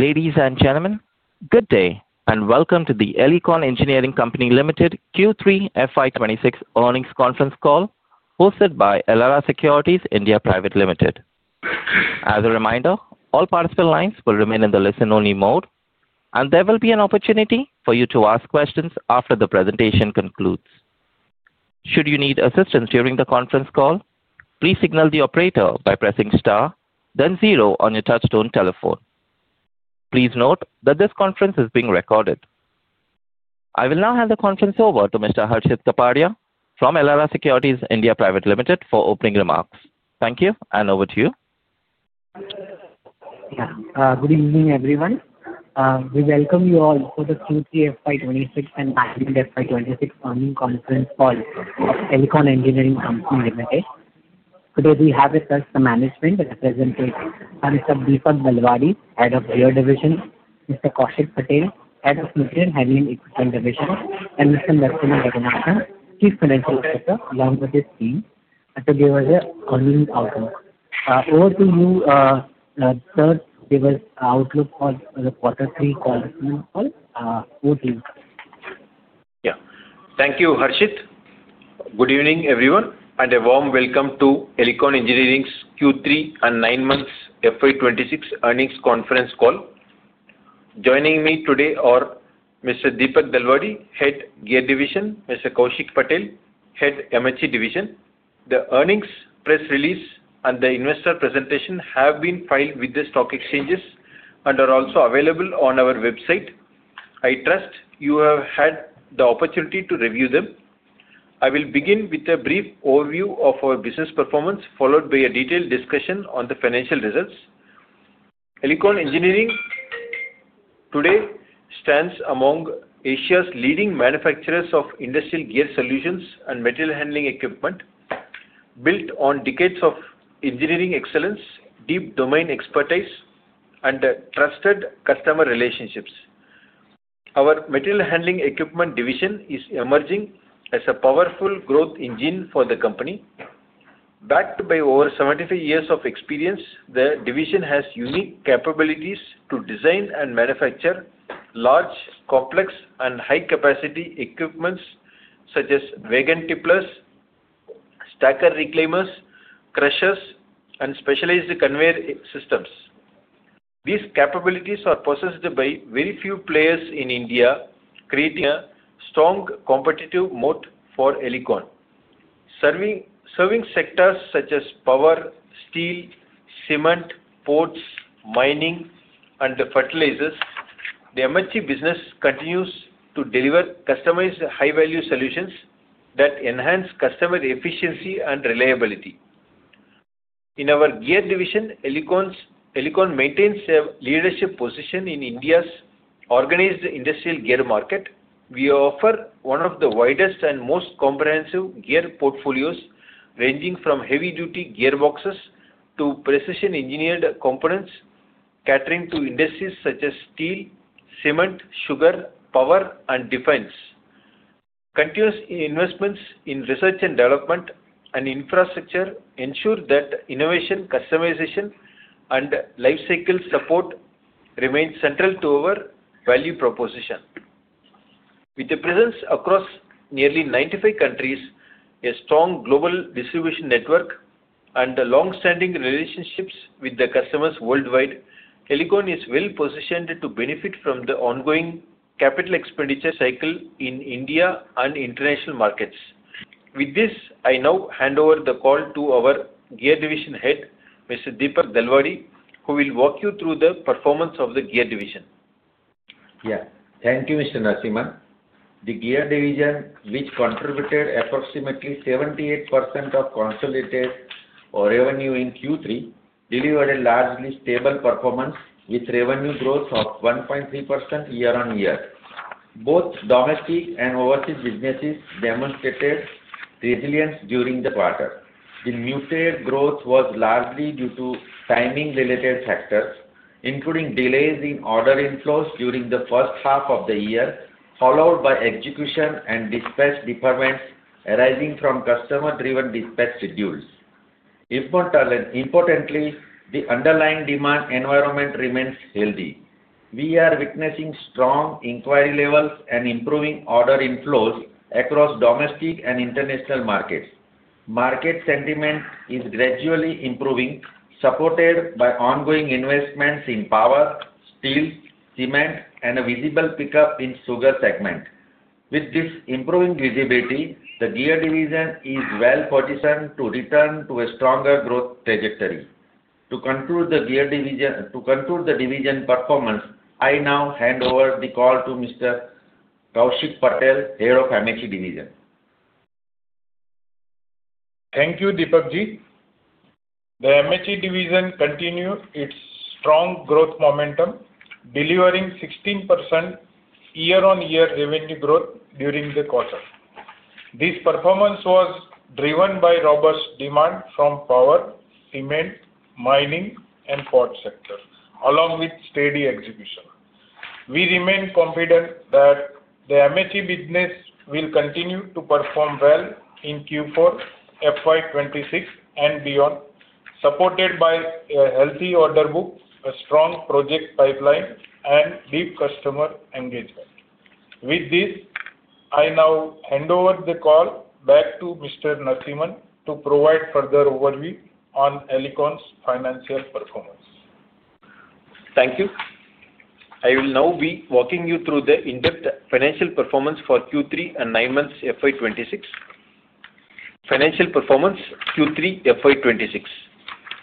Ladies and gentlemen, good day and welcome to the Elecon Engineering Company Limited FY 2026 earnings conference call hosted by Elara Securities India Private Limited. As a reminder, all participant lines will remain in the listen-only mode, and there will be an opportunity for you to ask questions after the presentation concludes. Should you need assistance during the conference call, please signal the operator by pressing star, then zero on your touch-tone telephone. Please note that this conference is being recorded. I will now hand the conference over to Mr. Harshit Kapadia from Elara Securities India Private Limited for opening remarks. Thank you, and over to you. Good evening, everyone. We welcome you all for the FY 2026 earnings conference call of Elecon Engineering Company Limited. Today, we have with us the management representative, Mr. Dipak Dalwadi, Head of Gear Division, Mr. Kaushik Patel, Head of Material Handling Equipment Division, and Mr. Narasimhan Raghunathan, Chief Financial Officer, along with his team, to give us an earnings outlook. Over to you, sir, to give us an outlook for the Quarter Three conference call. Over to you. Yeah. Thank you, Harshit. Good evening, everyone, and a warm welcome to Elecon Engineering's Q3 and 9M FY 2026 earnings conference call. Joining me today are Mr. Dipak Dalwadi, Head, Gear Division; Mr. Kaushik Patel, Head, MHE Division. The earnings press release and the investor presentation have been filed with the stock exchanges and are also available on our website. I trust you have had the opportunity to review them. I will begin with a brief overview of our business performance, followed by a detailed discussion on the financial results. Elecon Engineering today stands among Asia's leading manufacturers of industrial gear solutions and material handling equipment, built on decades of engineering excellence, deep domain expertise, and trusted customer relationships. Our material handling equipment division is emerging as a powerful growth engine for the company. Backed by over 75 years of experience, the division has unique capabilities to design and manufacture large, complex, and high-capacity equipment such as wagon tipplers, stacker reclaimers, crushers, and specialized conveyor systems. These capabilities are possessed by very few players in India, creating a strong competitive moat for Elecon. Serving sectors such as power, steel, cement, ports, mining, and fertilizers, the MHE business continues to deliver customized high-value solutions that enhance customer efficiency and reliability. In our Gear Division, Elecon maintains a leadership position in India's organized industrial gear market. We offer one of the widest and most comprehensive gear portfolios, ranging from heavy-duty gearboxes to precision-engineered components, catering to industries such as steel, cement, sugar, power, and defense. Continuous investments in research and development and infrastructure ensure that innovation, customization, and lifecycle support remain central to our value proposition. With the presence across nearly 95 countries, a strong global distribution network, and long-standing relationships with the customers worldwide, Elecon is well positioned to benefit from the ongoing capital expenditure cycle in India and international markets. With this, I now hand over the call to our Gear Division head, Mr. Dipak Dalwadi, who will walk you through the performance of the Gear Division. Yeah. Thank you, Mr. Narasimhan. The Gear Division, which contributed approximately 78% of consolidated revenue in Q3, delivered a largely stable performance with revenue growth of 1.3% year-on-year. Both domestic and overseas businesses demonstrated resilience during the quarter. The muted growth was largely due to timing-related factors, including delays in order inflows during the first half of the year, followed by execution and dispatch deferments arising from customer-driven dispatch schedules. Importantly, the underlying demand environment remains healthy. We are witnessing strong inquiry levels and improving order inflows across domestic and international markets. Market sentiment is gradually improving, supported by ongoing investments in power, steel, cement, and a visible pickup in the sugar segment. With this improving visibility, the Gear Division is well positioned to return to a stronger growth trajectory. To conclude the Gear Division performance, I now hand over the call to Mr. Kaushik Patel, Head of MHE Division. Thank you, Dipak Ji. The MHE Division continued its strong growth momentum, delivering 16% year-on-year revenue growth during the quarter. This performance was driven by robust demand from power, cement, mining, and port sector, along with steady execution. We remain confident that the MHE business will continue to perform well in FY 2026, and beyond, supported by a healthy order book, a strong project pipeline, and deep customer engagement. With this, I now hand over the call back to Mr. Narasimhan to provide further overview on Elecon's financial performance. Thank you. I will now be walking you through the in-depth financial performance for Q3 and nine FY 2026. financial performance FY 2026.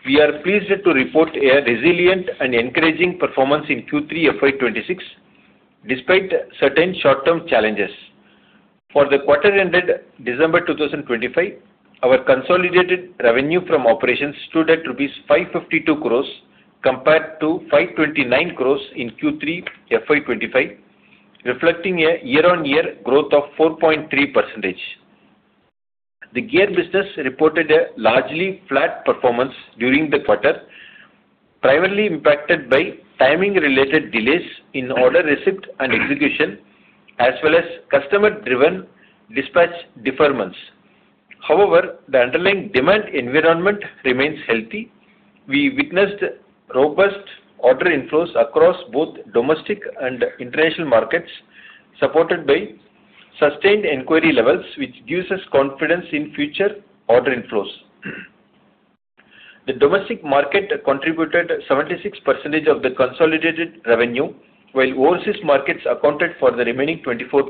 we are pleased to report a resilient and encouraging performance in FY 2026, despite certain short-term challenges. For the quarter-ended December 2025, our consolidated revenue from operations stood at rupees 552 crores compared to 529 crores in FY 2025, reflecting a year-on-year growth of 4.3%. The gear business reported a largely flat performance during the quarter, primarily impacted by timing-related delays in order receipt and execution, as well as customer-driven dispatch deferments. However, the underlying demand environment remains healthy. We witnessed robust order inflows across both domestic and international markets, supported by sustained inquiry levels, which gives us confidence in future order inflows. The domestic market contributed 76% of the consolidated revenue, while overseas markets accounted for the remaining 24%.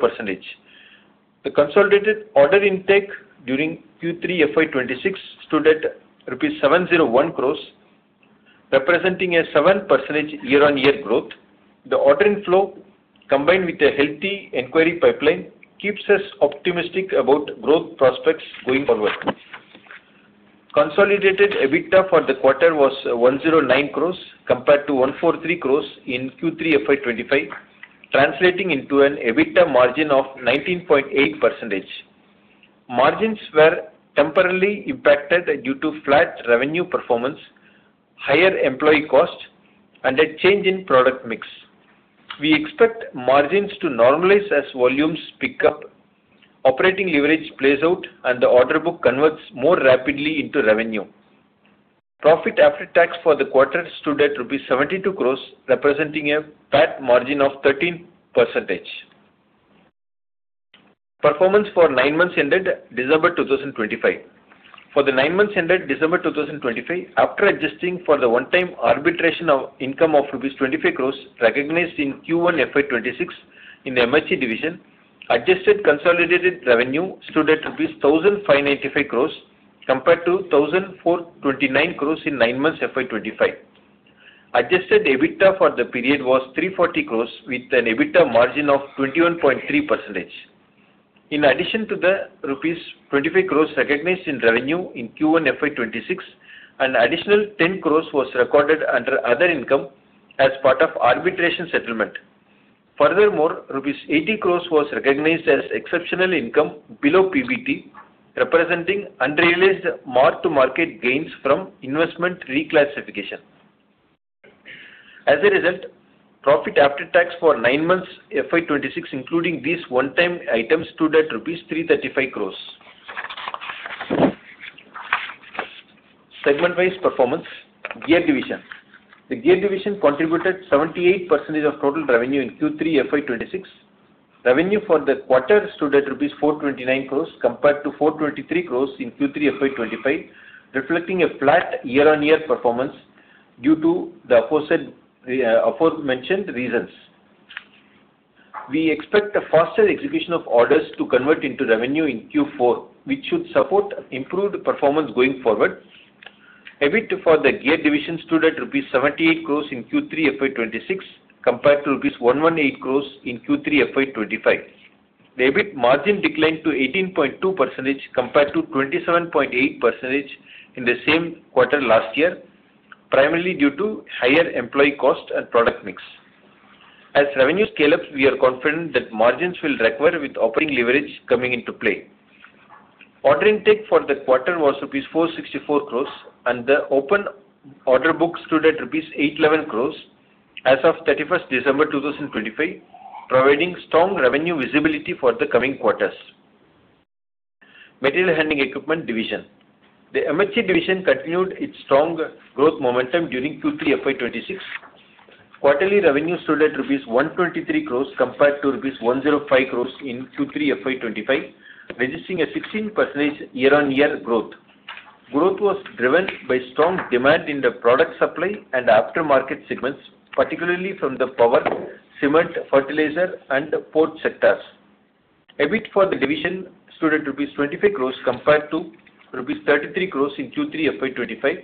The consolidated order intake during FY 2026 stood at rupees 701 crores, representing a 7% year-on-year growth. The order inflow, combined with a healthy inquiry pipeline, keeps us optimistic about growth prospects going forward. Consolidated EBITDA for the quarter was 109 crores compared to 143 crores in FY 2025, translating into an EBITDA margin of 19.8%. Margins were temporarily impacted due to flat revenue performance, higher employee cost, and a change in product mix. We expect margins to normalize as volumes pick up, operating leverage plays out, and the order book converts more rapidly into revenue. Profit after tax for the quarter stood at rupees 72 crores, representing a PAT margin of 13%. Performance for nine months ended December 2025. For the nine months ended December 2025, after adjusting for the one-time arbitration of income of rupees 25 crores recognized in FY 2026 in the MHE Division, adjusted consolidated revenue stood at rupees 1,595 crores compared to 1,429 crores in nine FY 2025. adjusted EBITDA for the period was 340 crores, with an EBITDA margin of 21.3%. In addition to the rupees 25 crores recognized in revenue FY 2026, an additional 10 crores was recorded under other income as part of arbitration settlement. Furthermore, 80 crores rupees was recognized as exceptional income below PBT, representing unrealized mark-to-market gains from investment reclassification. As a result, profit after tax for FY 2026, including these one-time items, stood at rupees 335 crores. Segment-wise performance, Gear Division. The Gear Division contributed 78% of total revenue FY 2026. revenue for the quarter stood at rupees 429 crores compared to 423 crores FY 2025, reflecting a flat year-on-year performance due to the aforementioned reasons. We expect a faster execution of orders to convert into revenue in Q4, which should support improved performance going forward. EBIT for the Gear Division stood at 78 crores rupees FY 2026 compared to 118 crores rupees in Q3 FY 2025. The EBIT margin declined to 18.2% compared to 27.8% in the same quarter last year, primarily due to higher employee cost and product mix. As revenues scale up, we are confident that margins will recover with operating leverage coming into play. Order intake for the quarter was rupees 464 crores, and the open order book stood at rupees 811 crores as of 31st December 2025, providing strong revenue visibility for the coming quarters. Material Handling Equipment Division. The MHE Division continued its strong growth momentum FY 2026. quarterly revenue stood at 123 crores compared to INR 105 crores FY 2025, registering a 16% year-on-year growth. Growth was driven by strong demand in the product supply and aftermarket segments, particularly from the power, cement, fertilizer, and port sectors. EBIT for the division stood at rupees 25 crores compared to rupees 33 crores in Q3 FY 2025.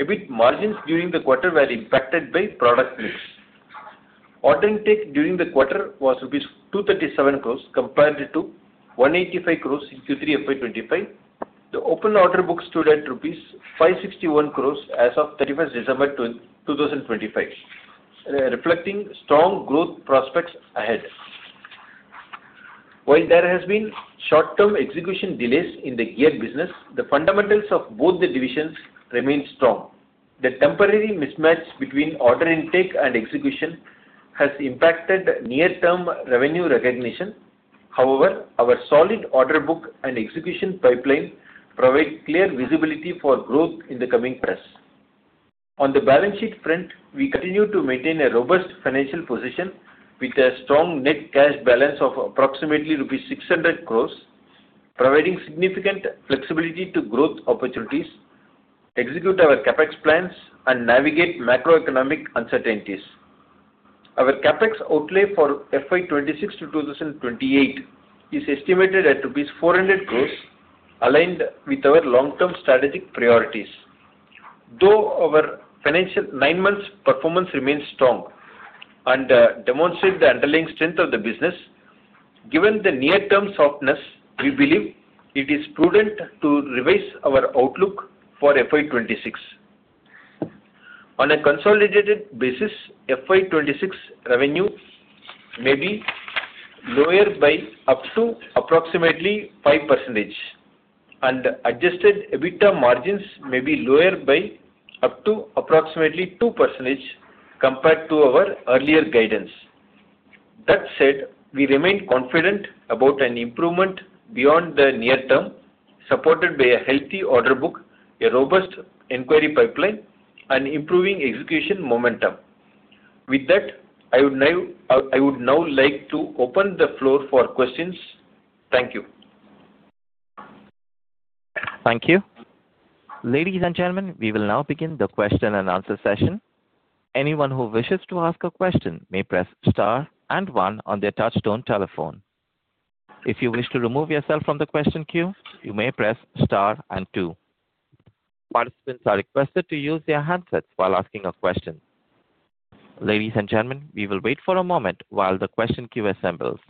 EBIT margins during the quarter were impacted by product mix. Order intake during the quarter was rupees 237 crores compared to 185 crores FY 2025. the open order book stood at rupees 561 crores as of 31st December 2025, reflecting strong growth prospects ahead. While there have been short-term execution delays in the gear business, the fundamentals of both the divisions remain strong. The temporary mismatch between order intake and execution has impacted near-term revenue recognition. However, our solid order book and execution pipeline provide clear visibility for growth in the coming quarters. On the balance sheet front, we continue to maintain a robust financial position with a strong net cash balance of approximately rupees 600 crores, providing significant flexibility to growth opportunities, execute our CapEx plans, and navigate macroeconomic uncertainties. Our CapEx FY 2026 to 2028 is estimated at rupees 400 crores, aligned with our long-term strategic priorities. Though our financial nine-month performance remains strong and demonstrates the underlying strength of the business, given the near-term softness, we believe it is prudent to revise our FY 2026. On a FY 2026 revenue may be lower by up to approximately 5%, and adjusted EBITDA margins may be lower by up to approximately 2% compared to our earlier guidance. That said, we remain confident about an improvement beyond the near term, supported by a healthy order book, a robust inquiry pipeline, and improving execution momentum. With that, I would now like to open the floor for questions. Thank you. Thank you. Ladies and gentlemen, we will now begin the question-and-answer session. Anyone who wishes to ask a question may press star and one on their touch-tone telephone. If you wish to remove yourself from the question queue, you may press star and two. Participants are requested to use their handsets while asking a question. Ladies and gentlemen, we will wait for a moment while the question queue assembles.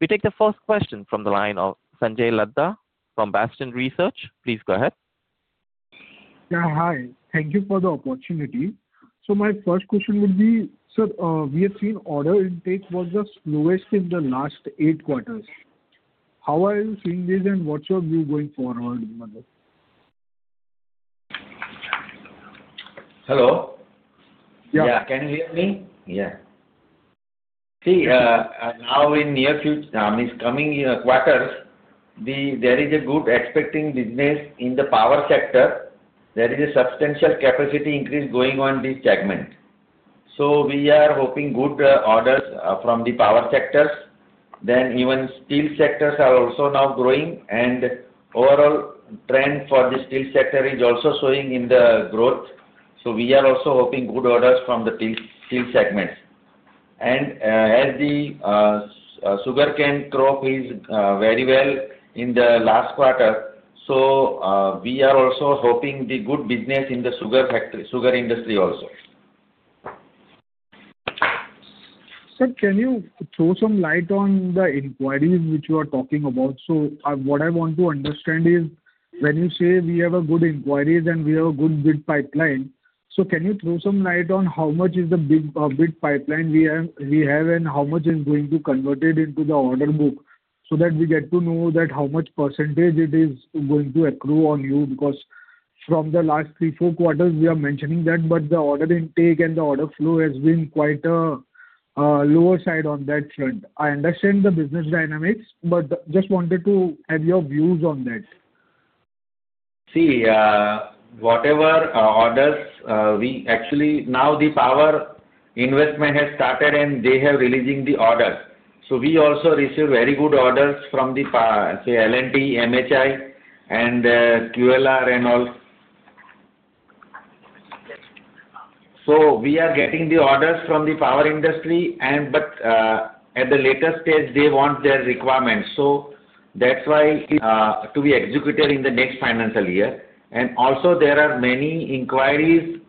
We take the first question from the line of Sanjay Ladha from Bastion Research. Please go ahead. Yeah, hi. Thank you for the opportunity. So my first question would be, sir, we have seen order intake was the slowest in the last eight quarters. How are you seeing this and what's your view going forward? Hello? Yeah, can you hear me? Yeah. See, now in the near future, coming quarters, there is a good expecting business in the power sector. There is a substantial capacity increase going on this segment. So we are hoping good orders from the power sectors. Then even steel sectors are also now growing, and overall trend for the steel sector is also showing in the growth. So we are also hoping good orders from the steel segments. And as the sugarcane growth is very well in the last quarter, so we are also hoping the good business in the sugar industry also. Sir, can you throw some light on the inquiries which you are talking about? So what I want to understand is when you say we have good inquiries and we have a good bid pipeline, so can you throw some light on how much is the bid pipeline we have and how much is going to be converted into the order book so that we get to know how much percentage it is going to accrue on you? Because from the last three, four quarters, we are mentioning that, but the order intake and the order flow has been quite a lower side on that front. I understand the business dynamics, but just wanted to have your views on that. See, whatever orders we actually now the power investment has started, and they have releasing the orders, so we also receive very good orders from the L&T, MHI, and QLR and all, so we are getting the orders from the power industry, but at the latest stage, they want their requirements, so that's why to be executed in the next financial year, and also, there are many inquiries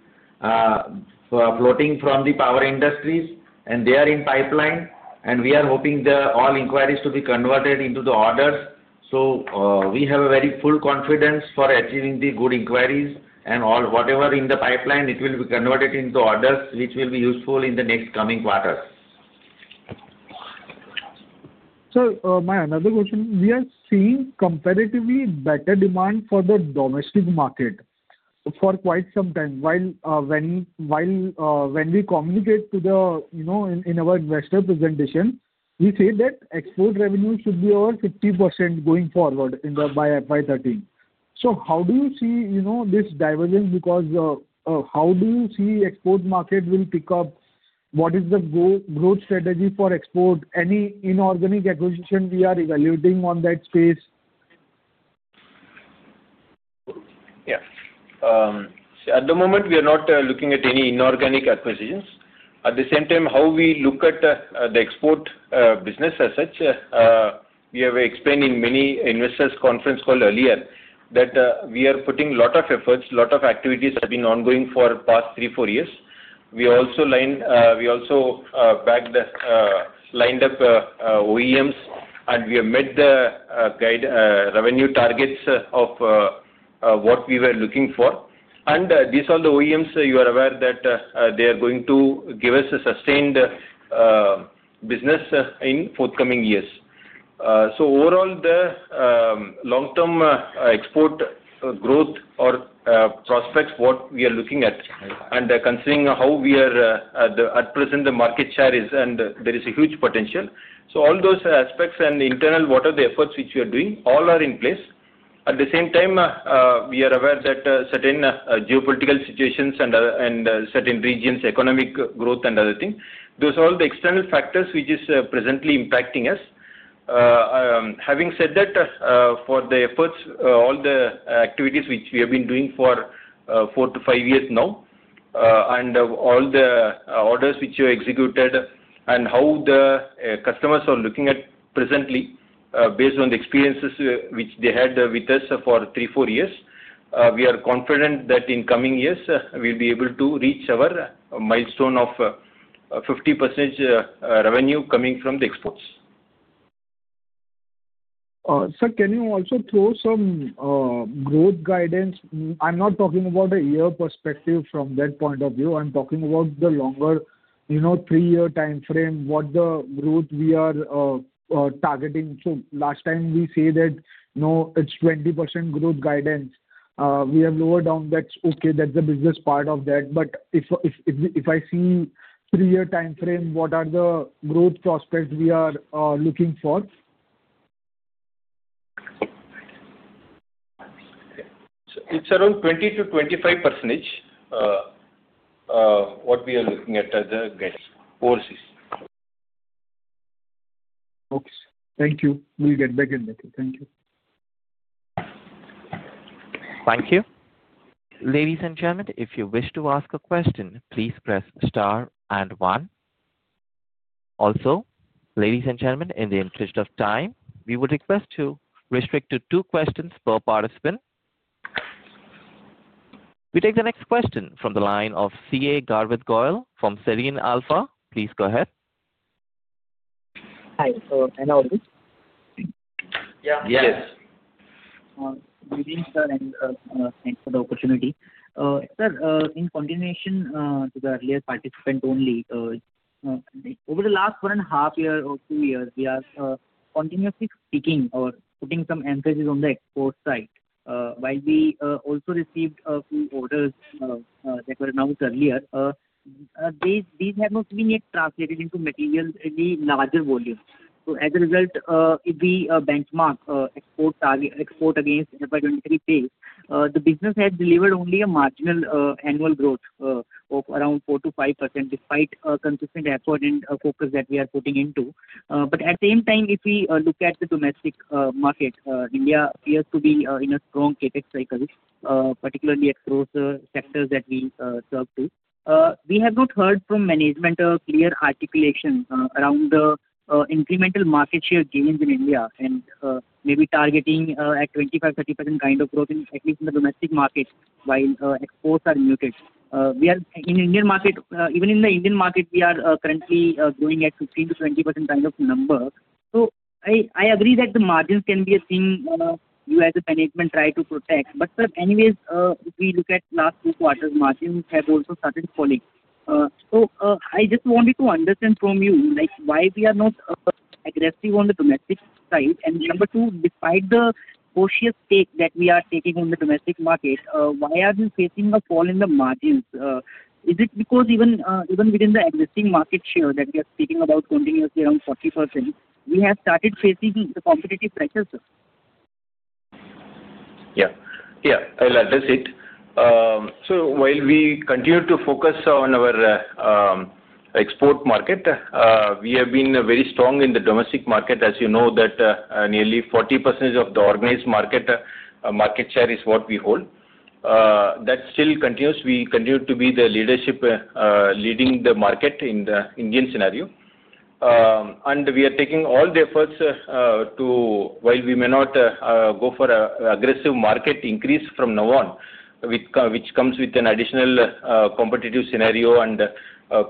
floating from the power industries, and they are in pipeline, and we are hoping all inquiries to be converted into the orders, so we have a very full confidence for achieving the good inquiries, and whatever in the pipeline, it will be converted into orders which will be useful in the next coming quarters. Sir, my another question. We are seeing comparatively better demand for the domestic market for quite some time. When we communicate to the investor presentation, we say that export revenue should be over 50% going forward in the FY 2030. So how do you see this divergence? Because how do you see the export market will pick up? What is the growth strategy for export? Any inorganic acquisition we are evaluating on that space? Yes. At the moment, we are not looking at any inorganic acquisitions. At the same time, how we look at the export business as such, we have explained in many investors' conference call earlier that we are putting a lot of efforts, a lot of activities have been ongoing for the past three, four years. We also lined up OEMs, and we have met the revenue targets of what we were looking for, and these are the OEMs you are aware that they are going to give us a sustained business in forthcoming years, so overall, the long-term export growth or prospects, what we are looking at and considering how we are at present, the market share is, and there is a huge potential, so all those aspects and internal whatever efforts which we are doing, all are in place. At the same time, we are aware that certain geopolitical situations and certain regions, economic growth and other things, those are all the external factors which are presently impacting us. Having said that, for the efforts, all the activities which we have been doing for four to five years now, and all the orders which are executed, and how the customers are looking at presently, based on the experiences which they had with us for three, four years, we are confident that in coming years, we'll be able to reach our milestone of 50% revenue coming from the exports. Sir, can you also throw some growth guidance? I'm not talking about a year perspective from that point of view. I'm talking about the longer three-year time frame, what the growth we are targeting. So last time, we said that it's 20% growth guidance. We have lowered down. That's okay. That's the business part of that. But if I see three-year time frame, what are the growth prospects we are looking for? It's around 20%-25% what we are looking at as the overseas. Okay. Thank you. We'll get back in. Thank you. Thank you. Ladies and gentlemen, if you wish to ask a question, please press star and one. Also, ladies and gentlemen, in the interest of time, we would request to restrict to two questions per participant. We take the next question from the line of CA Garvit Goyal from Serene Alpha. Please go ahead. Hi. Hello. Yes. Good evening, sir, and thanks for the opportunity. Sir, in continuation to the earlier participant only, over the last one and a half years or two years, we are continuously speaking or putting some emphasis on the export side. While we also received a few orders that were announced earlier, these have not been yet translated into material, really larger volume. So as a result, if we benchmark export FY 203 base, the business has delivered only a marginal annual growth of around 4%-5% despite consistent effort and focus that we are putting into. But at the same time, if we look at the domestic market, India appears to be in a strong CapEx cycle, particularly across sectors that we serve to. We have not heard from management a clear articulation around the incremental market share gains in India and maybe targeting a 25%-30% kind of growth at least in the domestic market while exports are muted. In the Indian market, even in the Indian market, we are currently growing at 15%-20% kind of number. So I agree that the margins can be a thing you as a management try to protect. But anyways, if we look at the last two quarters, margins have also started falling. So I just wanted to understand from you why we are not aggressive on the domestic side? And number two, despite the cautious take that we are taking on the domestic market, why are we facing a fall in the margins? Is it because even within the existing market share that we are speaking about continuously around 40%, we have started facing the competitive pressures? Yeah. Yeah. I'll address it. So while we continue to focus on our export market, we have been very strong in the domestic market. As you know, nearly 40% of the organized market share is what we hold. That still continues. We continue to be the leadership leading the market in the Indian scenario. And we are taking all the efforts while we may not go for an aggressive market increase from now on, which comes with an additional competitive scenario and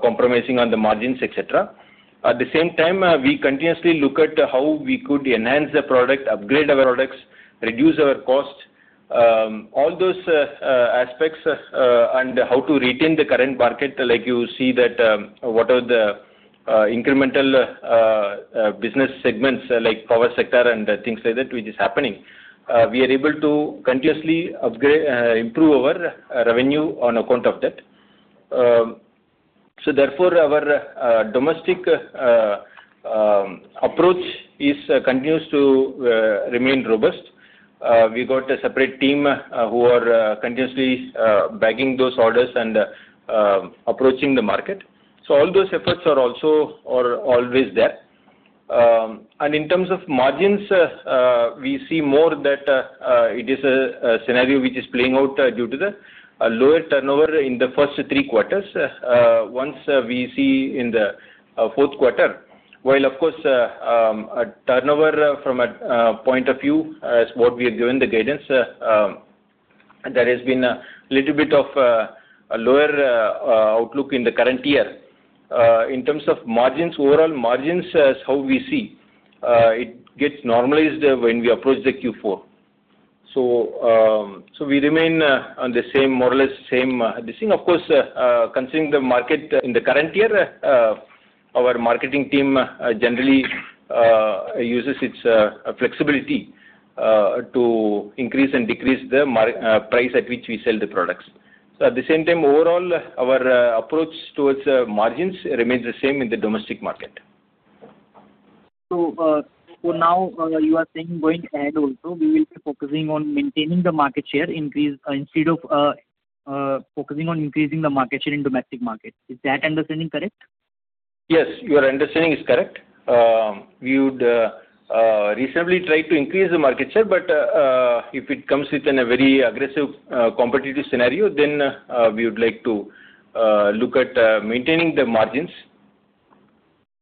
compromising on the margins, etc. At the same time, we continuously look at how we could enhance the product, upgrade our products, reduce our cost, all those aspects, and how to retain the current market. Like you see that whatever the incremental business segments like power sector and things like that, which is happening, we are able to continuously improve our revenue on account of that. So therefore, our domestic approach continues to remain robust. We got a separate team who are continuously bagging those orders and approaching the market. So all those efforts are also always there. And in terms of margins, we see more that it is a scenario which is playing out due to the lower turnover in the first three quarters. Once we see in the fourth quarter, while of course, turnover from a point of view is what we have given the guidance, there has been a little bit of a lower outlook in the current year. In terms of margins, overall margins is how we see. It gets normalized when we approach the Q4. So we remain on the same, more or less same thing. Of course, considering the market in the current year, our marketing team generally uses its flexibility to increase and decrease the price at which we sell the products. So at the same time, overall, our approach towards margins remains the same in the domestic market. So now you are saying going ahead also, we will be focusing on maintaining the market share instead of focusing on increasing the market share in the domestic market. Is that understanding correct? Yes. Your understanding is correct. We would reasonably try to increase the market share, but if it comes within a very aggressive competitive scenario, then we would like to look at maintaining the margins.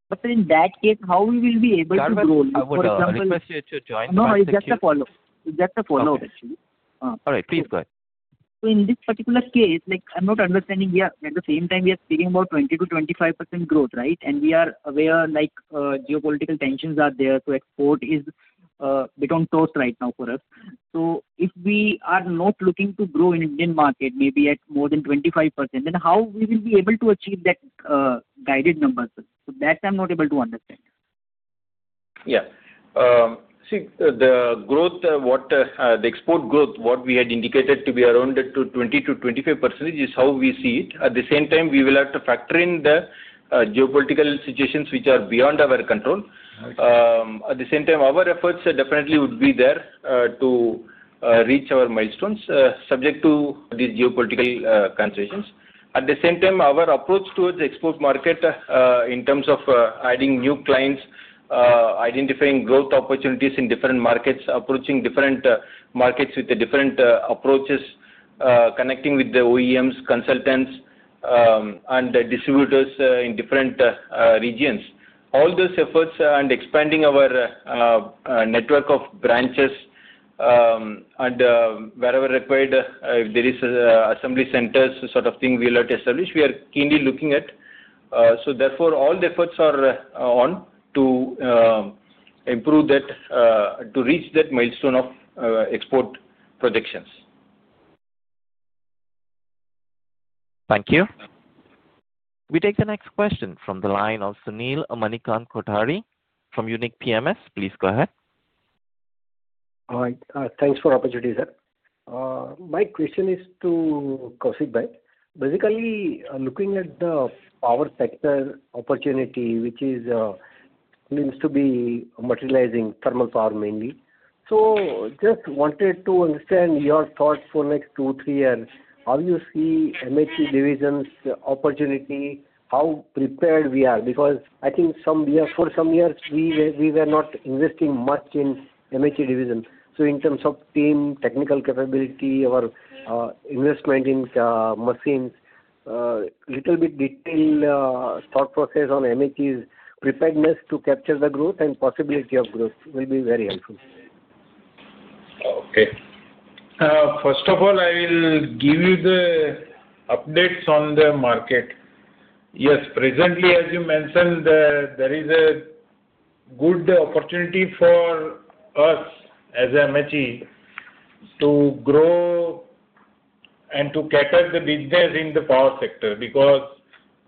But in that case, how we will be able to grow? For example. No, it's just a follow-up. It's just a follow-up, actually. All right. Please go ahead. So in this particular case, I'm not understanding. At the same time, we are speaking about 20%-25% growth, right? And we are aware geopolitical tensions are there. So export is a bit on toast right now for us. So if we are not looking to grow in the Indian market, maybe at more than 25%, then how we will be able to achieve that guided numbers? So that I'm not able to understand. Yeah. See, the growth, the export growth, what we had indicated to be around 20%-25% is how we see it. At the same time, we will have to factor in the geopolitical situations which are beyond our control. At the same time, our efforts definitely would be there to reach our milestones subject to these geopolitical considerations. At the same time, our approach towards the export market in terms of adding new clients, identifying growth opportunities in different markets, approaching different markets with different approaches, connecting with the OEMs, consultants, and distributors in different regions. All those efforts and expanding our network of branches and wherever required, if there is assembly centers sort of thing we are to establish, we are keenly looking at. So therefore, all the efforts are on to improve that, to reach that milestone of export projections. Thank you. We take the next question from the line of Sunil Manikan Kothari from Unique PMS. Please go ahead. All right. Thanks for the opportunity, sir. My question is to Kaushik Bhai. Basically, looking at the power sector opportunity, which seems to be materializing thermal power mainly. So just wanted to understand your thoughts for the next two, three years. How do you see MHE Division's opportunity? How prepared we are? Because I think for some years, we were not investing much in MHE Division. So in terms of team, technical capability, or investment in machines, a little bit detailed thought process on MHE's preparedness to capture the growth and possibility of growth will be very helpful. Okay. First of all, I will give you the updates on the market. Yes. Presently, as you mentioned, there is a good opportunity for us as MHE to grow and to catch up the business in the power sector because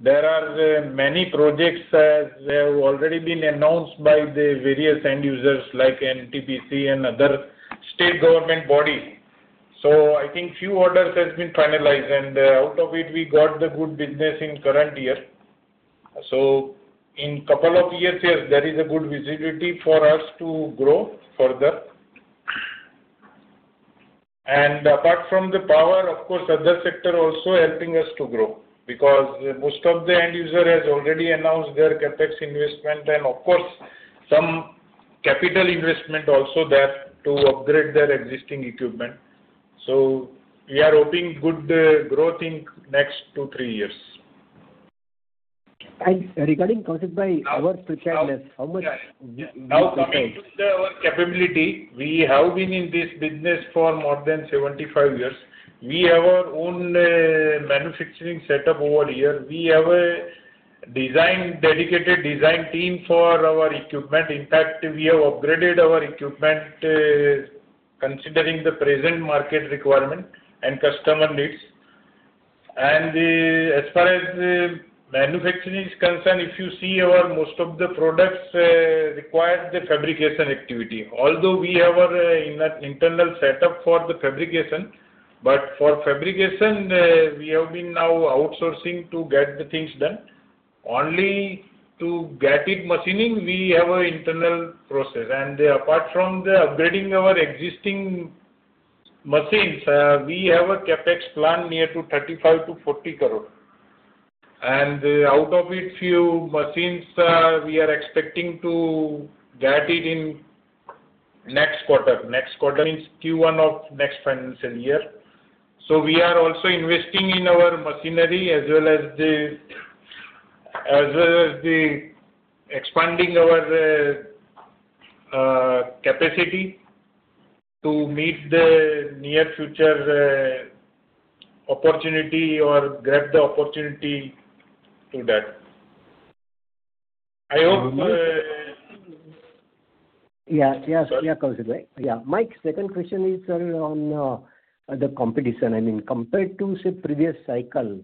there are many projects that have already been announced by the various end users like NTPC and other state government bodies, so I think a few orders have been finalized, and out of it, we got the good business in the current year, so in a couple of years, there is a good visibility for us to grow further, and apart from the power, of course, other sectors are also helping us to grow because most of the end users have already announced their CapEx investment and, of course, some capital investment also there to upgrade their existing equipment. We are hoping good growth in the next two, three years. Regarding Kaushik Bhai, our preparedness, how much? Now, to speak to our capability, we have been in this business for more than 75 years. We have our own manufacturing setup over here. We have a dedicated design team for our equipment. In fact, we have upgraded our equipment considering the present market requirement and customer needs, and as far as manufacturing is concerned, if you see most of the products require the fabrication activity. Although we have an internal setup for the fabrication, but for fabrication, we have been now outsourcing to get the things done. Only to get it machining, we have an internal process, and apart from upgrading our existing machines, we have a CapEx planned near to 35 crore-40 crore, and out of it, a few machines, we are expecting to get it in next quarter. Next quarter means Q1 of next financial year. We are also investing in our machinery as well as expanding our capacity to meet the near future opportunity or grab the opportunity to that. I hope. Yeah, Kaushik. My second question is on the competition. I mean, compared to the previous cycle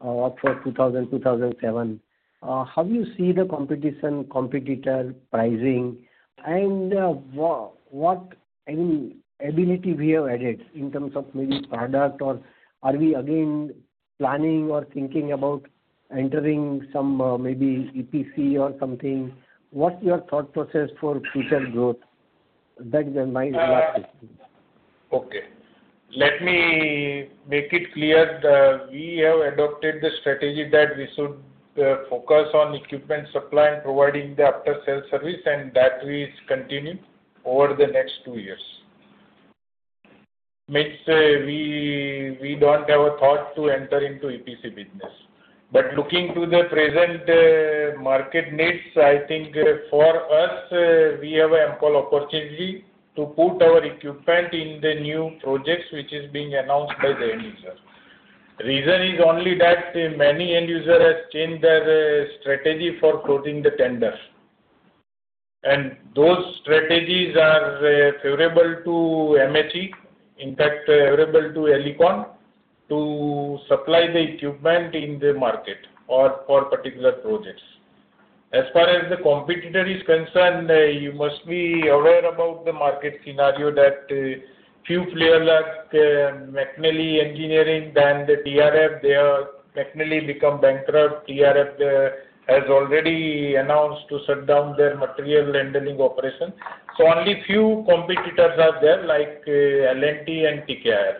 of 2000, 2007, how do you see the competition, competitor pricing, and what ability we have added in terms of maybe product? Or are we again planning or thinking about entering some maybe EPC or something? What's your thought process for future growth? That's my last question. Okay. Let me make it clear. We have adopted the strategy that we should focus on equipment supply and providing the after-sales service, and that will continue over the next two years. Means we don't have a thought to enter into EPC business. But looking to the present market needs, I think for us, we have an ample opportunity to put our equipment in the new projects which are being announced by the end user. The reason is only that many end users have changed their strategy for closing the tender. And those strategies are favorable to MHE, in fact, favorable to Elecon to supply the equipment in the market or for particular projects. As far as the competitor is concerned, you must be aware about the market scenario that few players like McNally Bharat Engineering and TRF. They have McNally become bankrupt. TRF has already announced to shut down their material handling operation. So only a few competitors are there like L&T and TKL.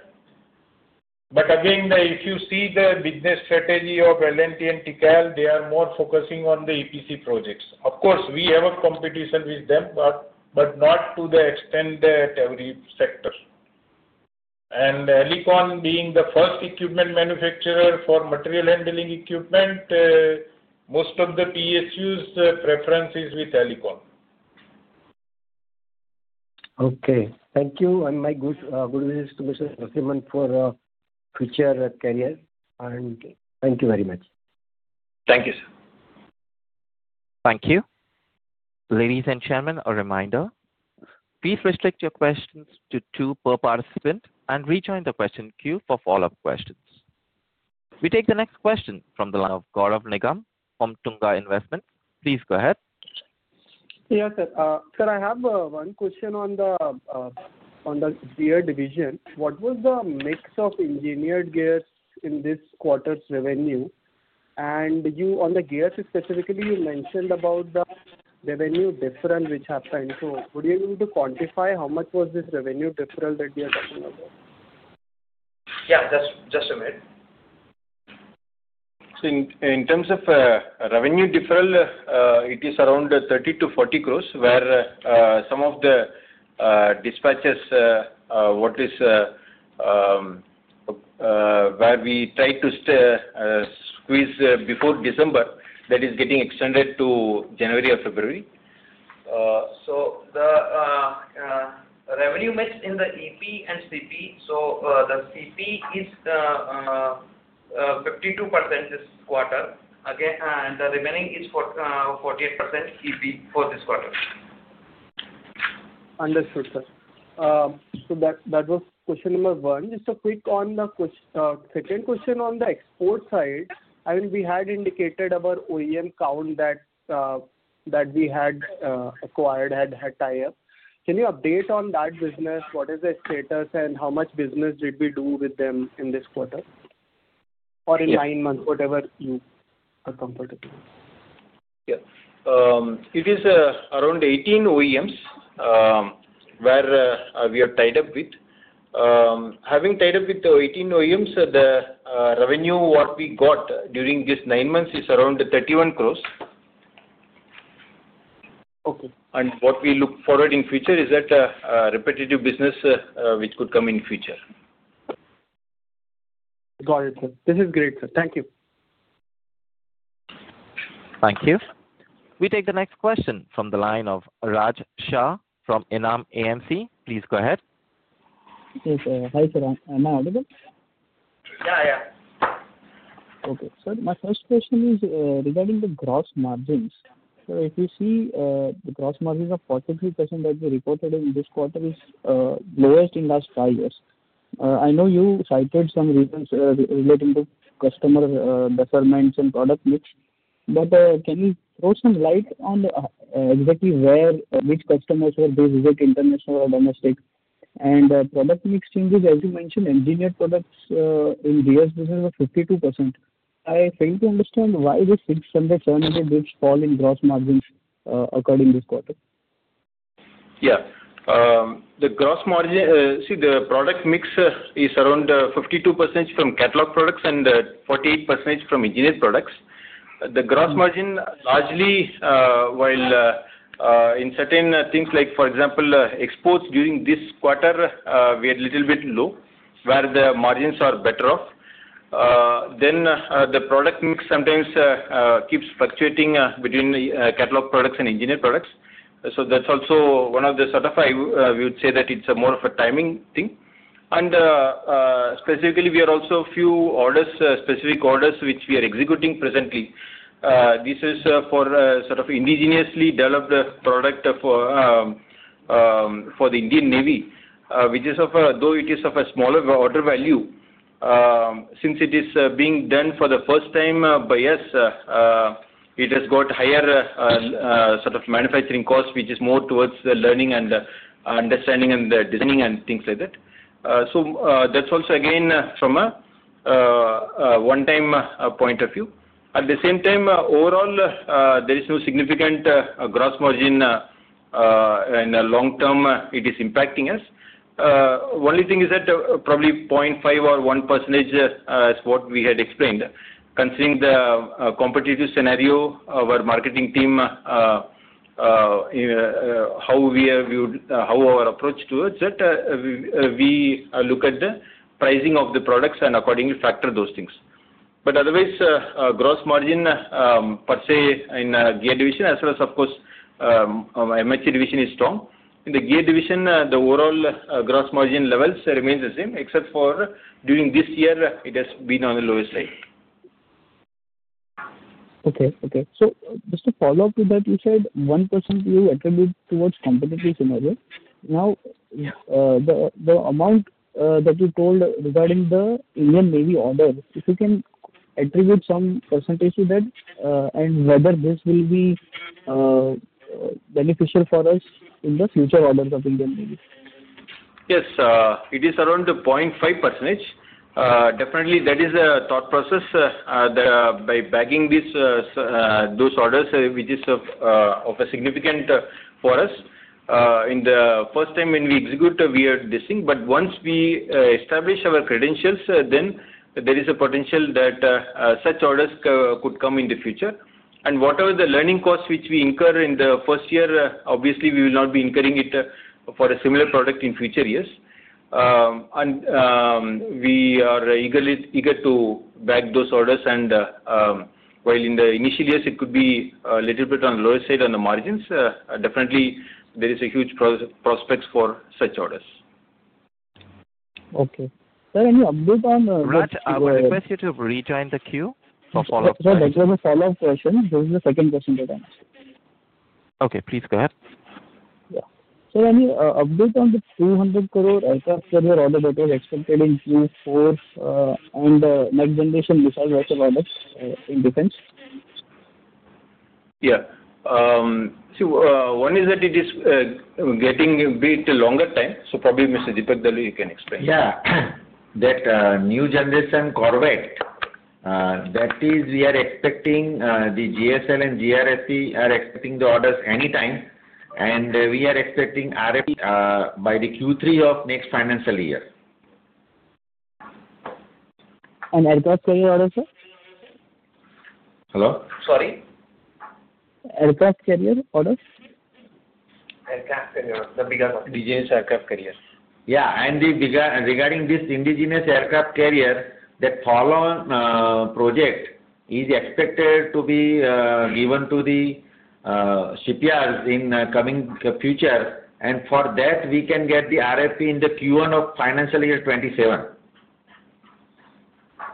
But again, if you see the business strategy of L&T and TKL, they are more focusing on the EPC projects. Of course, we have a competition with them, but not to the extent that every sector. And Elecon being the first equipment manufacturer for material handling equipment, most of the PSUs' preference is with Elecon. Okay. Thank you. And my good wishes to Mr. Narasimhan for a future career. And thank you very much. Thank you, sir. Thank you. Ladies and gentlemen, a reminder. Please restrict your questions to two per participant and rejoin the question queue for follow-up questions. We take the next question from the line of Gaurav Nigam from Tunga Investments. Please go ahead. Yes, sir. Sir, I have one question on the Gear Division. What was the mix of engineered gears in this quarter's revenue? And on the gears specifically, you mentioned about the revenue deferral which happened. So would you be able to quantify how much was this revenue deferral that you are talking about? Yeah. Just a minute. So in terms of revenue differently, it is around 30 crore-40 crores where some of the dispatches which is where we try to squeeze before December, that is getting extended to January or February. So the revenue mix in the EP and CP. So the CP is 52% this quarter, and the remaining is 48% EP for this quarter. Understood, sir. So that was question number one. Just a quick on the second question on the export side. I mean, we had indicated our OEM count that we had acquired had tied up. Can you update on that business? What is the status and how much business did we do with them in this quarter or in nine months, whatever you are comfortable with? Yeah. It is around 18 OEMs where we are tied up with. Having tied up with 18 OEMs, the revenue what we got during these nine months is around 31 crores. And what we look forward to in the future is that repetitive business which could come in the future. Got it, sir. This is great, sir. Thank you. Thank you. We take the next question from the line of Raj Shah from Enam AMC. Please go ahead. Yes, sir. Hi, sir. Am I audible? Yeah, yeah. Okay. Sir, my first question is regarding the gross margins. So if you see the gross margin of 43% that we reported in this quarter is lowest in the last five years. I know you cited some reasons relating to customer mix and product mix. But can you throw some light on exactly where which customers were being serviced, international or domestic? And product mix changes, as you mentioned, engineered products in gears was 52%. I failed to understand why this 600-700 basis points fall in gross margins according to this quarter. Yeah. The gross margin, see, the product mix is around 52% from catalog products and 48% from engineered products. The gross margin largely, while in certain things like, for example, exports during this quarter, we had a little bit low where the margins are better off. Then the product mix sometimes keeps fluctuating between catalog products and engineered products. So that's also one of the sort of, I would say, that it's more of a timing thing. And specifically, we are also a few orders, specific orders which we are executing presently. This is for sort of indigenously developed product for the Indian Navy, which is of a, though it is of a smaller order value. Since it is being done for the first time by us, it has got higher sort of manufacturing costs, which is more towards learning and understanding and designing and things like that. So that's also again from a one-time point of view. At the same time, overall, there is no significant gross margin in the long term. It is impacting us. Only thing is that probably 0.5% or 1% is what we had explained. Considering the competitive scenario, our marketing team, how we are viewed, how our approach towards it, we look at the pricing of the products and accordingly factor those things. But otherwise, gross margin per se in Gear Division as well as, of course, MHE Division is strong. In the Gear Division, the overall gross margin levels remain the same, except for during this year, it has been on the lowest side. Okay. So just to follow up with that, you said 1% you attribute towards competitive scenario. Now, the amount that you told regarding the Indian Navy orders, if you can attribute some percentage to that and whether this will be beneficial for us in the future orders of Indian Navy? Yes. It is around 0.5%. Definitely, that is a thought process that by bagging those orders, which is of significance for us. In the first time when we execute, we are this thing, but once we establish our credentials, then there is a potential that such orders could come in the future, and whatever the learning costs which we incur in the first year, obviously, we will not be incurring it for a similar product in future years, and we are eager to bag those orders, and while in the initial years, it could be a little bit on the lower side on the margins, definitely, there is a huge prospect for such orders. Okay. Sir, any update on? We request you to rejoin the queue for follow-up questions. Sir, that was a follow-up question. This is the second question that I asked. Okay. Please go ahead. Yeah. Sir, any update on the 200 crore aircraft carrier order that was expected in Q4 and next-generation missile weapon products in defense? Yeah. See, one is that it is getting a bit longer time. So probably Mr. Dipak Dalwadi, you can explain. Yeah. That new generation Corvette, that is, we are expecting the GSL and GRSE are expecting the orders anytime. And we are expecting RFP by the Q3 of next financial year. And aircraft carrier orders, sir? Hello? Sorry? Aircraft Carrier Orders? Aircraft carrier, the bigger one. Indigenous Aircraft Carrier. Yeah. And regarding this Indigenous Aircraft Carrier, that follow-on project is expected to be given to the CPRs in the coming future. And for that, we can get the RFP in the Q1 of financial year 2027.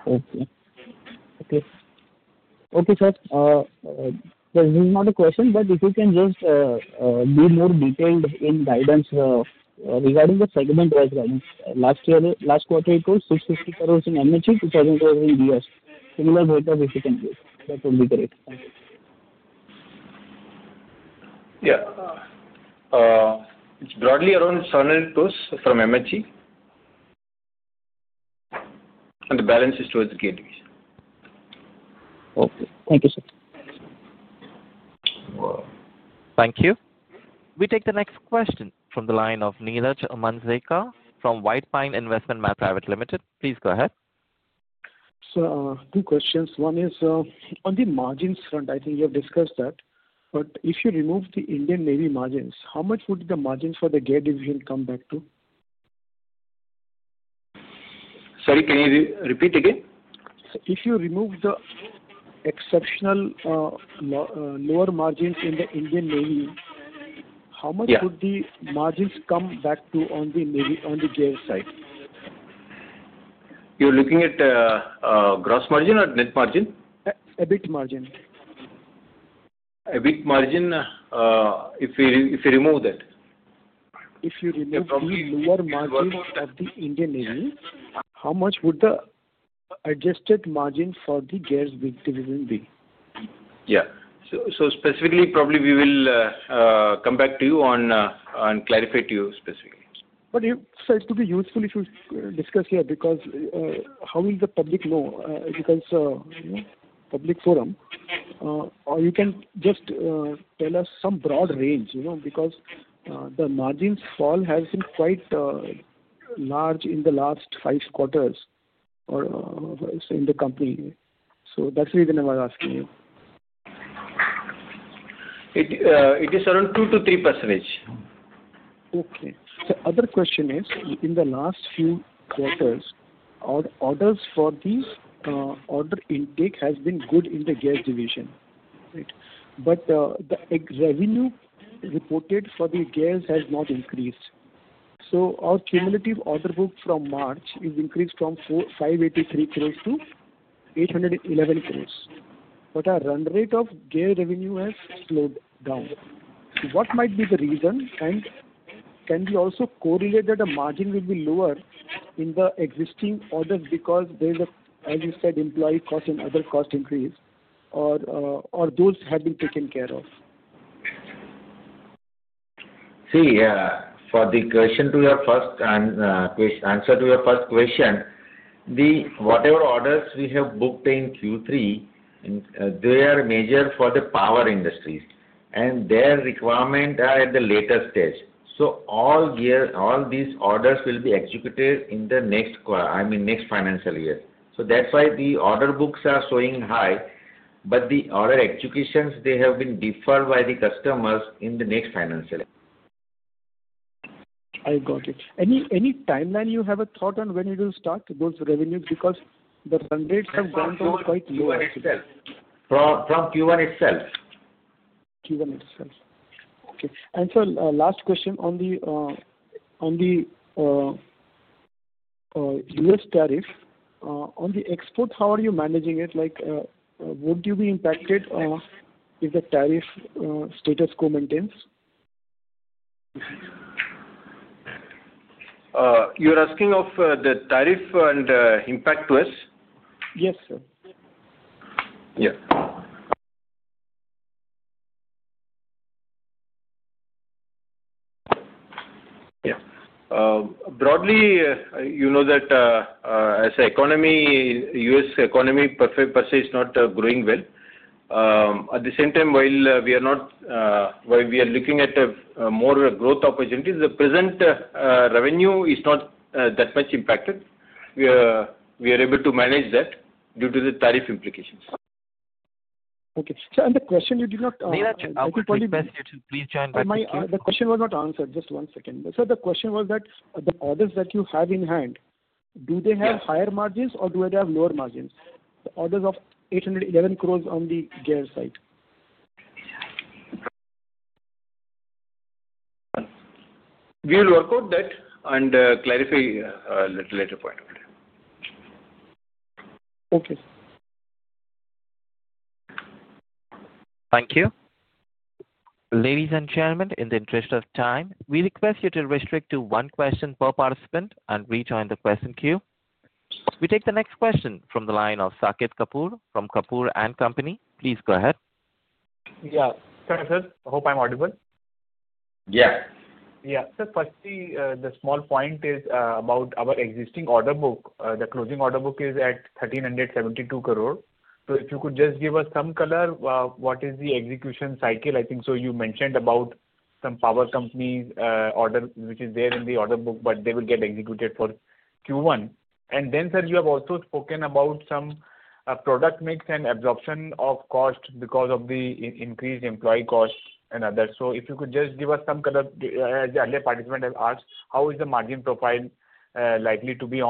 Okay, sir. This is not a question, but if you can just be more detailed in guidance regarding the segment-wise guidance. Last quarter, it was 650 crores in MHE, 2,000 crores in gears. Similar data if you can give. That would be great. Thank you. Yeah. It's broadly around INR 700 crores from MHE, and the balance is towards the gears. Okay. Thank you, sir. Thank you. We take the next question from the line of Niraj Mansingka from White Pine Investment Management Private Limited. Please go ahead. Sir, two questions. One is on the margins front, I think you have discussed that. But if you remove the Indian Navy margins, how much would the margins for the Gear Division come back to? Sorry, can you repeat again? If you remove the exceptional lower margins in the Indian Navy, how much would the margins come back to on the gear side? You're looking at gross margin or net margin? EBIT margin. EBIT margin if you remove that. If you remove the lower margin of the Indian Navy, how much would the adjusted margin for the gears division be? Yeah. So specifically, probably we will come back to you and clarify to you specifically. But it's to be useful if you discuss here because how will the public know? Because public forum, you can just tell us some broad range because the margins fall has been quite large in the last five quarters in the company. So that's the reason I was asking you. It is around 2%-3%. Okay. The other question is, in the last few quarters, our orders for the order intake has been good in the gears division, right? But the revenue reported for the gears has not increased. So our cumulative order book from March is increased from 583 crores to 811 crores. But our run rate of gear revenue has slowed down. What might be the reason? And can we also correlate that the margin will be lower in the existing orders because there is, as you said, employee cost and other cost increase, or those have been taken care of? See, for the answer to your first question, the whatever orders we have booked in Q3, they are major for the power industries. And their requirement are at the latest stage. So all these orders will be executed in the next quarter, I mean, next financial year. So that's why the order books are showing high. But the order executions, they have been deferred by the customers in the next financial year. I got it. Any timeline you have a thought on when it will start, those revenues? Because the run rates have gone down quite low. Q1 itself. From Q1 itself. Q1 itself. Okay. And sir, last question on the U.S. tariff. On the export, how are you managing it? Would you be impacted if the tariff status quo maintains? You are asking about the tariff and impact to us? Yes, sir. Yeah. Yeah. Broadly, you know that the US economy per se is not growing well. At the same time, while we are looking at more growth opportunities, the present revenue is not that much impacted. We are able to manage that due to the tariff implications. Okay. Sir, and the question you did not. Niraj, I think one of the best questions. Please join back to you. The question was not answered. Just one second. Sir, the question was that the orders that you have in hand, do they have higher margins or do they have lower margins? The orders of 811 crores on the gear side. We will work out that and clarify at a later point of time. Okay. Thank you. Ladies and gentlemen, in the interest of time, we request you to restrict to one question per participant and rejoin the question queue. We take the next question from the line of Saket Kapoor from Kapoor & Company. Please go ahead. Yeah. Sir, I hope I'm audible. Yeah. Yeah. Sir, firstly, the small point is about our existing order book. The closing order book is at 1,372 crores. So if you could just give us some color, what is the execution cycle, I think. So you mentioned about some power companies' order, which is there in the order book, but they will get executed for Q1. And then, sir, you have also spoken about some product mix and absorption of cost because of the increased employee cost and others. So if you could just give us some color, as the other participant has asked, how is the margin profile likely to be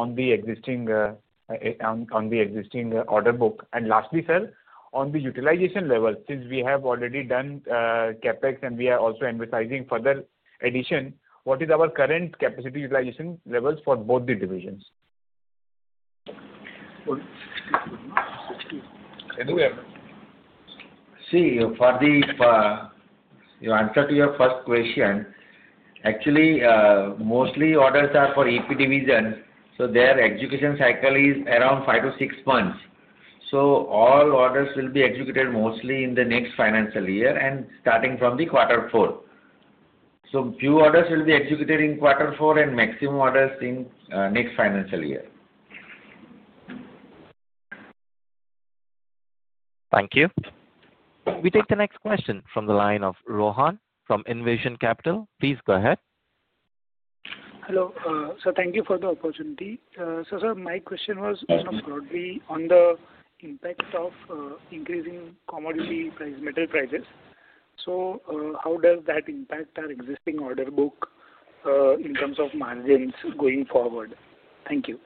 on the existing order book? And lastly, sir, on the utilization level, since we have already done CapEx and we are also emphasizing further addition, what is our current capacity utilization levels for both the divisions? See, for the answer to your first question, actually, mostly orders are for EP divisions. So their execution cycle is around five-to-six months. So all orders will be executed mostly in the next financial year and starting from the quarter four. So few orders will be executed in quarter four and maximum orders in next financial year. Thank you. We take the next question from the line of Rohan from Innovation Capital. Please go ahead. Hello. Thank you for the opportunity. Sir, my question was broadly on the impact of increasing commodity metal prices. How does that impact our existing order book in terms of margins going forward? Thank you.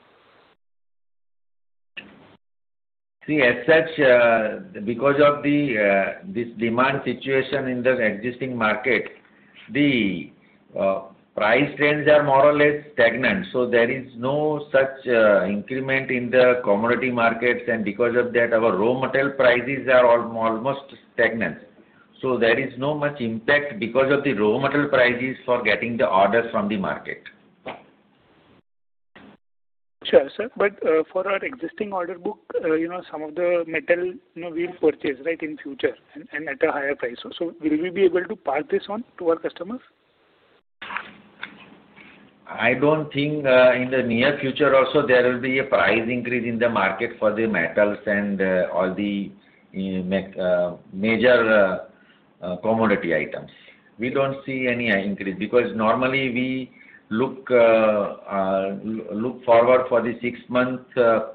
See, as such, because of this demand situation in the existing market, the price trends are more or less stagnant. So there is no such increment in the commodity markets. And because of that, our raw metal prices are almost stagnant. So there is no much impact because of the raw metal prices for getting the orders from the market. Sure, sir. But for our existing order book, some of the metal we'll purchase, right, in future and at a higher price. So will we be able to pass this on to our customers? I don't think in the near future also there will be a price increase in the market for the metals and all the major commodity items. We don't see any increase because normally we look forward for the six months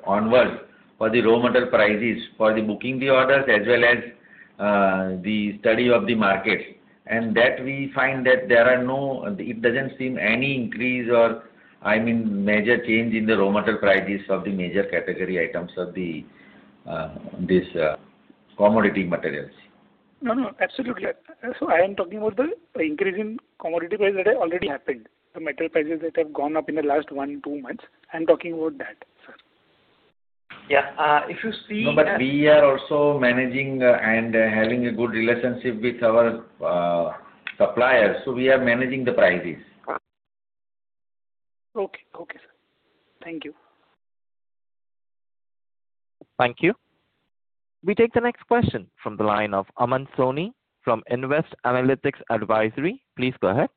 onward for the raw metal prices for booking the orders as well as the study of the market, and that we find that it doesn't seem any increase or, I mean, major change in the raw metal prices of the major category items of these commodity materials. No, no. Absolutely. So I am talking about the increase in commodity price that has already happened, the metal prices that have gone up in the last one to two months. I'm talking about that, sir. Yeah. If you see. But we are also managing and having a good relationship with our suppliers. So we are managing the prices. Okay. Okay, sir. Thank you. Thank you. We take the next question from the line of Aman Soni from Nvest Analytics Advisory. Please go ahead.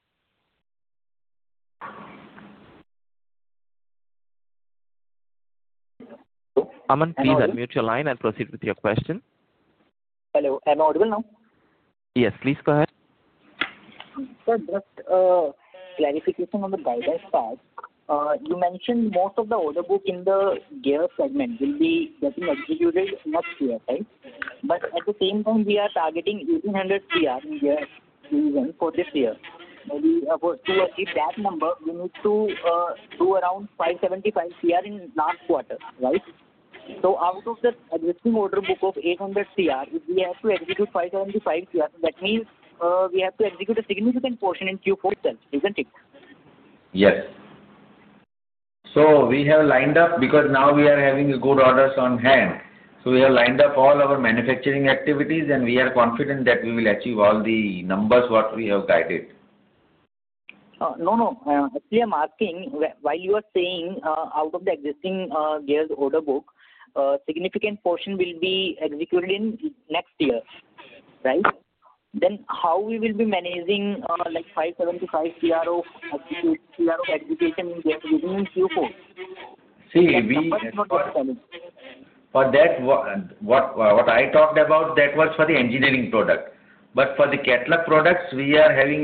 Aman, please unmute your line and proceed with your question. Hello. Am I audible now? Yes, please go ahead. Sir, just clarification on the guidance part. You mentioned most of the order book in the gear segment will be getting executed next year, right? But at the same time, we are targeting 1,800 crore in Gear Division for this year. Maybe to achieve that number, we need to do around 575 crore in last quarter, right? So out of the existing order book of 800 crore, if we have to execute 575 crore, that means we have to execute a significant portion in Q4 itself, isn't it? Yes. So we have lined up because now we are having good orders on hand. So we have lined up all our manufacturing activities, and we are confident that we will achieve all the numbers what we have guided. No, no. Actually, I'm asking, while you are saying out of the existing gear order book, a significant portion will be executed in next year, right? Then how we will be managing 575 crore of execution in Gear Division in Q4? See, we. For that, what I talked about, that was for the Engineered Products, but for the Catalog Products, we are having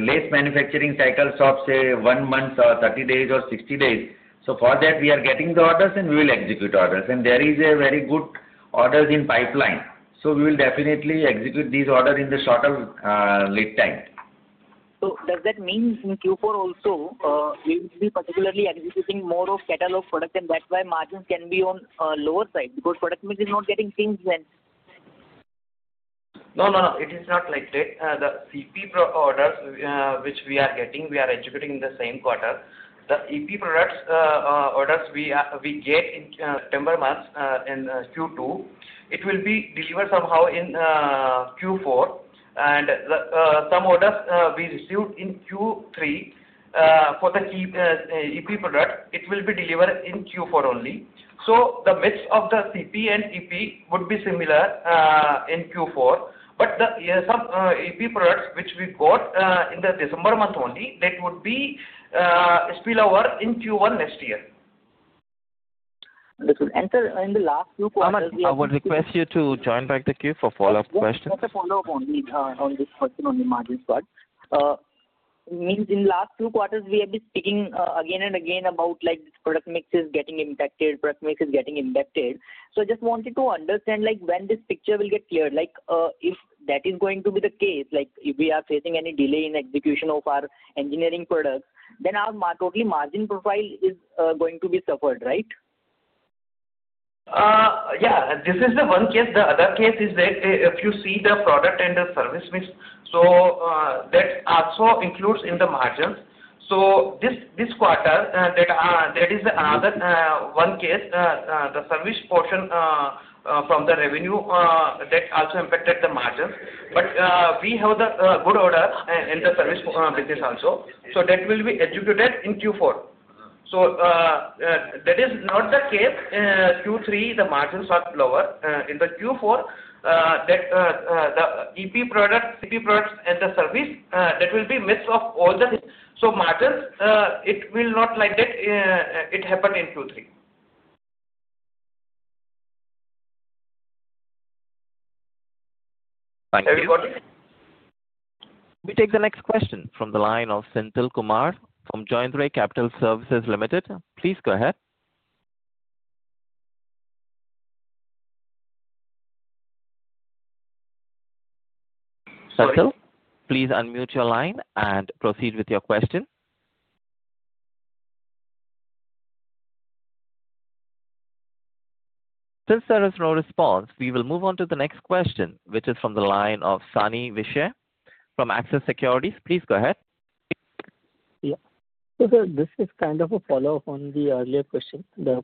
less manufacturing cycles of, say, one month or 30 days or 60 days, so for that, we are getting the orders, and we will execute orders, and there is a very good orders in pipeline, so we will definitely execute these orders in the shorter lead time. So does that mean in Q4 also, we will be particularly executing more of Catalog Products, and that's why margins can be on a lower side because product mix is not getting changed then? No, no, no. It is not like that. The CP orders, which we are getting, we are executing in the same quarter. The EP products orders we get in September month in Q2, it will be delivered somehow in Q4. And some orders we received in Q3 for the EP product, it will be delivered in Q4 only. So the mix of the CP and EP would be similar in Q4. But some EP products, which we got in the December month only, that would be spillover in Q1 next year. Understood. And sir, in the last few quarters. Aman, I would request you to join back the queue for follow-up questions. Just a follow-up only on this question on the margins part. I mean in the last few quarters, we have been speaking again and again about product mixes getting impacted, product mixes getting impacted. So I just wanted to understand when this picture will get cleared. If that is going to be the case, if we are facing any delay in execution of our engineering products, then our total margin profile is going to be suffered, right? Yeah. This is the one case. The other case is that if you see the product and the service mix, so that also includes in the margins. So this quarter, that is another one case, the service portion from the revenue, that also impacted the margins. But we have the good order in the service business also. So that will be executed in Q4. So that is not the case. Q3, the margins are lower. In the Q4, the EP products. EP products and the service, that will be mix of all the. So margins, it will not like that it happened in Q3. Thank you. We take the next question from the line of Senthilkumar from Joindre Capital Services Limited. Please go ahead. Senthil, please unmute your line and proceed with your question. Since there is no response, we will move on to the next question, which is from the line of Sani Vishe from Axis Securities. Please go ahead. Yeah. So, sir, this is kind of a follow-up on the earlier question, the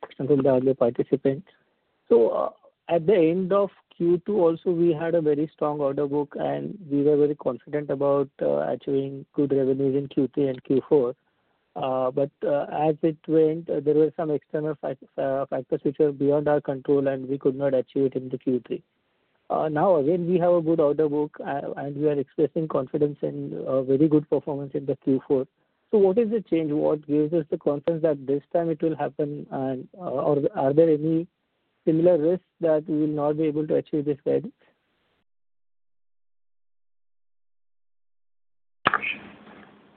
question from the earlier participant. So, at the end of Q2 also, we had a very strong order book, and we were very confident about achieving good revenues in Q3 and Q4. But as it went, there were some external factors which were beyond our control, and we could not achieve it in the Q3. Now, again, we have a good order book, and we are expressing confidence in very good performance in the Q4. So, what is the change? What gives us the confidence that this time it will happen, and are there any similar risks that we will not be able to achieve this guidance?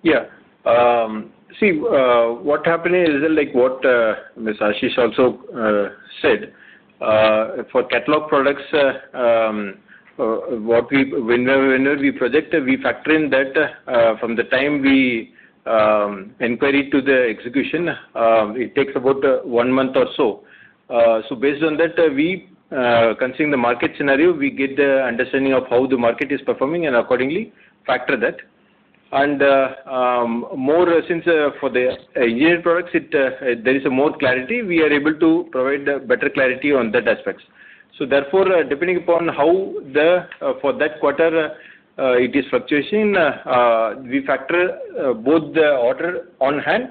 Yeah. See, what happened is what Mr. Aayush also said. For catalog products, whenever we project, we factor in that from the time we inquiry to the execution, it takes about one month or so. So based on that, considering the market scenario, we get the understanding of how the market is performing and accordingly factor that, and more since for the engineering products, there is more clarity, we are able to provide better clarity on that aspects. So therefore, depending upon how for that quarter it is fluctuating, we factor both the order on hand,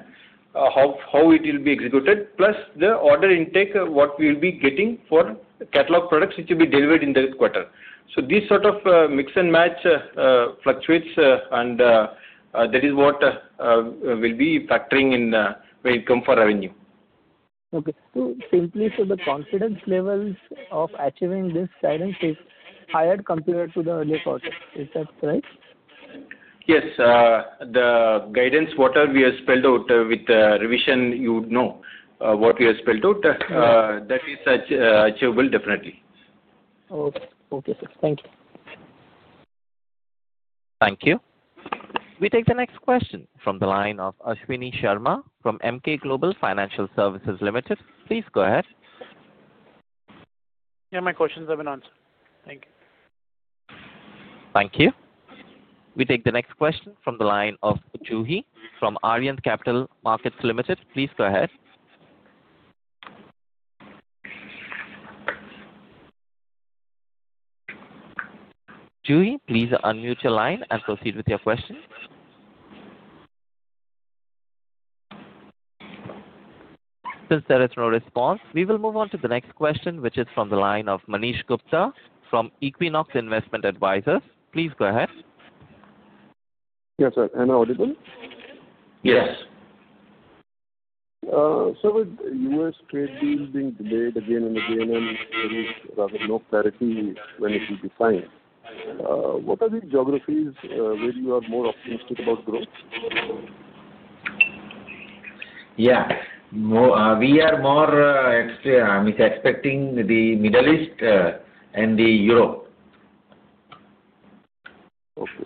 how it will be executed, plus the order intake, what we will be getting for catalog products which will be delivered in that quarter. So this sort of mix and match fluctuates, and that is what will be factoring in when it comes for revenue. Okay. So simply said, the confidence levels of achieving this guidance is higher compared to the earlier quarter. Is that right? Yes. The guidance, whatever we have spelled out with the revision, you would know what we have spelled out. That is achievable, definitely. Okay. Okay, sir. Thank you. Thank you. We take the next question from the line of Ashwani Sharma from Emkay Global Financial Services Limited. Please go ahead. Yeah, my questions have been answered. Thank you. Thank you. We take the next question from the line of Juhi from Arihant Capital Markets Limited. Please go ahead. Juhi, please unmute your line and proceed with your question. Since there is no response, we will move on to the next question, which is from the line of Manish Gupta from Equinox Investment Advisors. Please go ahead. Yes, sir. Am I audible? Yes. Sir, with U.S. trade deals being delayed again and again, and there is rather no clarity when it will be signed, what are the geographies where you are more optimistic about growth? Yeah. We are more expecting the Middle East and Europe. Okay.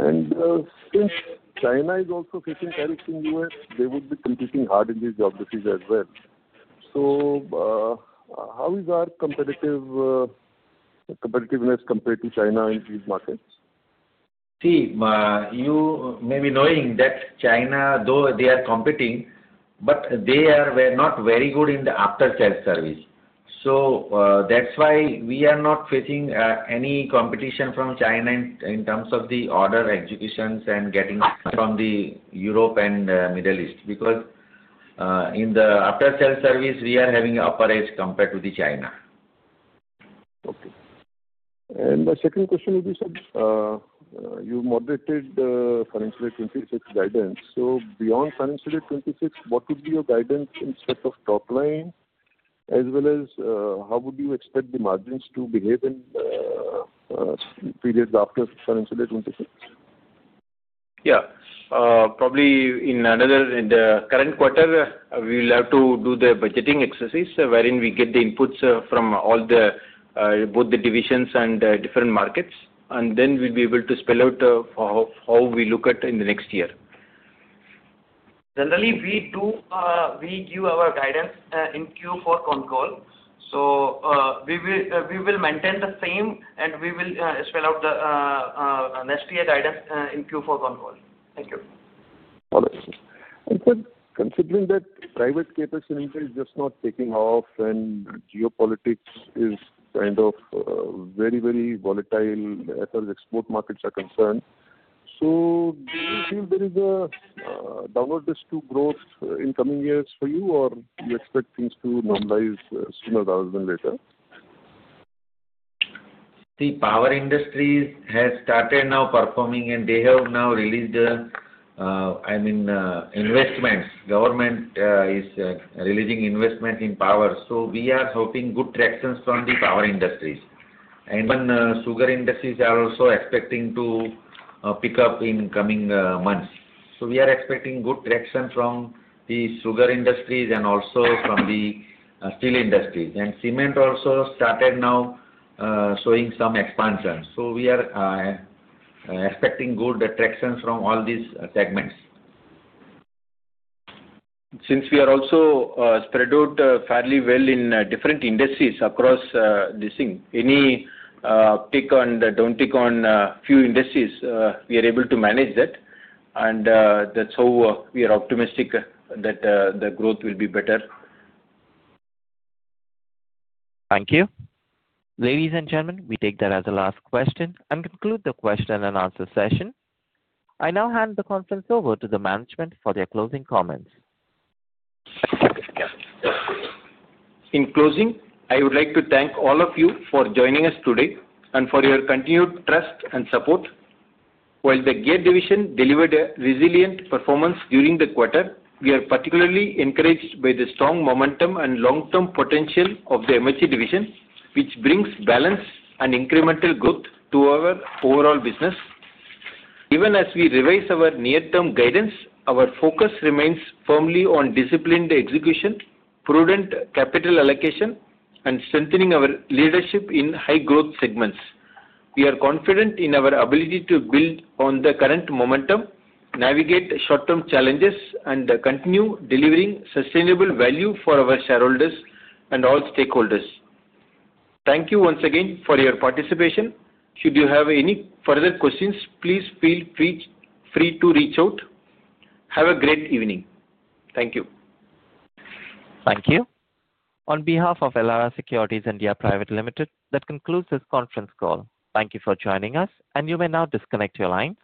And since China is also facing tariffs in the U.S., they would be competing hard in these geographies as well. So how is our competitiveness compared to China in these markets? See, maybe knowing that China, though they are competing, but they were not very good in the after-sales service. So that's why we are not facing any competition from China in terms of the order executions and getting from the Europe and Middle East because in the after-sales service, we are having upper edge compared to China. Okay. My second question would be, sir, you FY 2026, what would be your guidance instead of top line, as well as how would you expect the margins to behave in periods after FY 2026? Yeah. Probably in the current quarter, we will have to do the budgeting exercise wherein we get the inputs from both the divisions and different markets. And then we'll be able to spell out how we look at it in the next year. Generally, we give our guidance in Q4 con call. So we will maintain the same, and we will spell out the next year guidance in Q4 con call. Thank you. All right. And sir, considering that private CapEx in India is just not taking off and geopolitics is kind of very, very volatile as far as export markets are concerned, so do you feel there is a downwardness to growth in coming years for you, or do you expect things to normalize sooner rather than later? See, power industries have started now performing, and they have now released the, I mean, investments. Government is releasing investments in power. So we are hoping good traction from the power industries. And even sugar industries are also expecting to pick up in coming months. So we are expecting good traction from the sugar industries and also from the steel industries. And cement also started now showing some expansion. So we are expecting good traction from all these segments. Since we are also spread out fairly well in different industries across the board, any uptick or downtick in few industries, we are able to manage that, and that's how we are optimistic that the growth will be better. Thank you. Ladies and gentlemen, we take that as a last question and conclude the question-and-answer session. I now hand the conference over to the management for their closing comments. In closing, I would like to thank all of you for joining us today and for your continued trust and support. While the Gear Division delivered a resilient performance during the quarter, we are particularly encouraged by the strong momentum and long-term potential of the MHE Division, which brings balance and incremental growth to our overall business. Even as we revise our near-term guidance, our focus remains firmly on disciplined execution, prudent capital allocation, and strengthening our leadership in high-growth segments. We are confident in our ability to build on the current momentum, navigate short-term challenges, and continue delivering sustainable value for our shareholders and all stakeholders. Thank you once again for your participation. Should you have any further questions, please feel free to reach out. Have a great evening. Thank you. Thank you. On behalf of Elara Securities India Private Limited, that concludes this conference call. Thank you for joining us, and you may now disconnect your line.